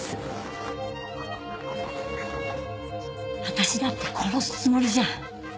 私だって殺すつもりじゃ。